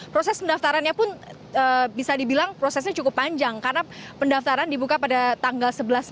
proses pendaftarannya pun bisa dibilang prosesnya cukup panjang karena pendaftaran dibuka pada tanggal sebelas